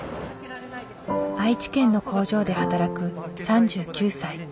愛知県の工場で働く３９歳。